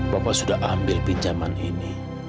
bapak sudah ambil pinjaman ini